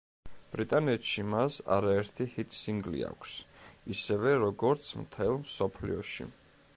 ბრიტანეთში მას არაერთი ჰიტ-სინგლი აქვს, ისევე, როგორც მთელ მსოფლიოში.